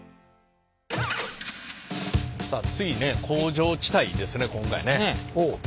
さあ次ね工場地帯ですね今回ね。